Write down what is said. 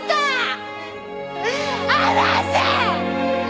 離せ！！